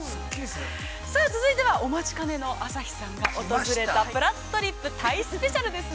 ◆さあ、続いては、お待ちかねの朝日さんが訪れた「ぷらっとりっぷ」、タイスペシャルですね。